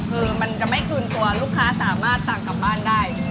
คือมันจะไม่คืนตัวลูกค้าสามารถสั่งกลับบ้านได้